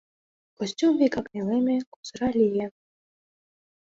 Костюм вигак нелеме, козыра лие.